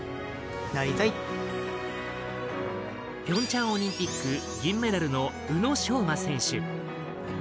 ピョンチャンオリンピック銀メダルの宇野昌磨選手。